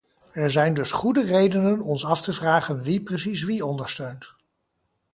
Er zijn dus goede redenen ons af te vragen wie precies wie ondersteunt?